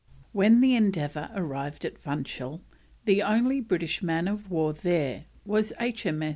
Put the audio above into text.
When the Endeavour arrived at Funchal, the only British man of war there was H.